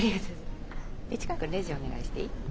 市川くんレジお願いしていい？